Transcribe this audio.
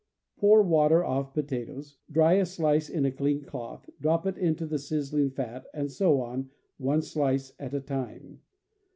Pour water off potatoes, dry a slice in a clean cloth, drop it into the sizzling fat, and so on, one slice at a time.